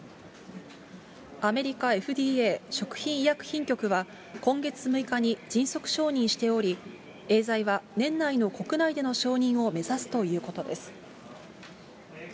アメリカＦＤＡ・食品医薬品局は、今月６日に迅速承認しており、エーザイは年内の国内での承認を目指すということです。